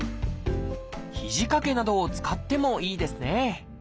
肘掛けなどを使ってもいいですね